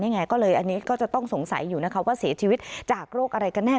ก็เลยอันนี้ก็จะต้องสงสัยอยู่นะคะว่าเสียชีวิตจากโรคอะไรกันแน่